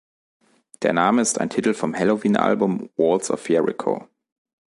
Der Name ist ein Titel vom Helloween-Album Walls of Jericho.